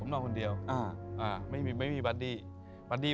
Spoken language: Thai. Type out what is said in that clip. ผมนอนคนเดียวไม่มีบัดดี้